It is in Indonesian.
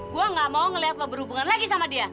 gue nggak mau ngeliat lo berhubungan lagi sama dia